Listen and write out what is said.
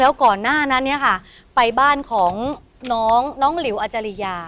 แล้วก่อนหน้านั้นเนี่ยค่ะไปบ้านของน้องน้องหลิวอาจาริยา